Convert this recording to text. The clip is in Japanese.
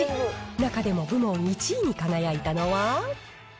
中でも部門１位に輝いたのは。